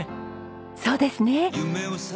そうですね。